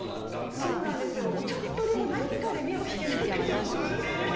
ちょっとでも何かで目を引けないかと思って。